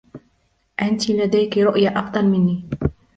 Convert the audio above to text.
أنتِ لديكِ رؤية أفضل منى؟